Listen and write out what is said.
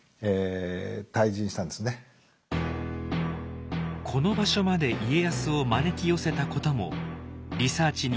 この場所まで家康を招き寄せたこともリサーチによる信玄の策略でした。